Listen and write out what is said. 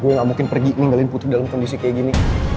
gue gak mungkin pergi ninggalin putri dalam kondisi kayak gini